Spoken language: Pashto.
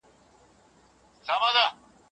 بلکي د استعمار څپو ټول افغانستان ونیوئ.